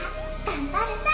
頑張るさ。